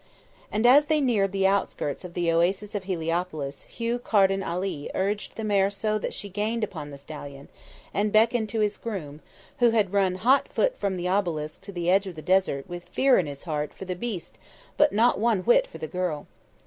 And as they neared the outskirts of the oasis of Heliopolis Hugh Carden Ali urged the mare so that she gained upon the stallion, and beckoned to his groom, who had run hot foot from the Obelisk to the edge of the desert with fear in his heart for the beast but not one whit for the girl.